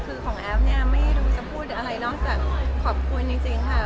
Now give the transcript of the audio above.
คือของแอฟเนี่ยไม่รู้จะพูดอะไรนอกจากขอบคุณจริงค่ะ